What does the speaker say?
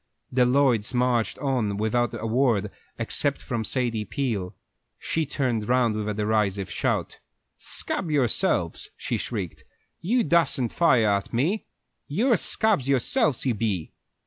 The Lloyds marched on without a word, except from Sadie Peel. She turned round with a derisive shout. "Scab yourselves!" she shrieked. "You dassen't fire at me. You're scabs yourselves, you be!"